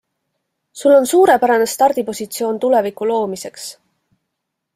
Sul on suurepärane stardipositsioon tuleviku loomiseks.